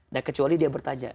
nah kecuali dia bertanya